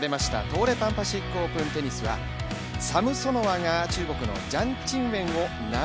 東レパンパシフィックオープンテニスはサムソノワが中国のジャン・チンウェンを